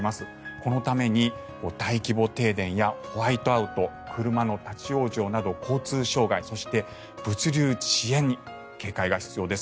このために大規模停電や、ホワイトアウト車の立ち往生など交通障害、そして物流遅延に警戒が必要です。